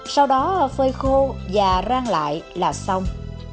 sau đó phơi khô và rang lại là xong